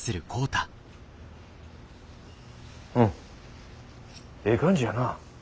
うんええ感じやな。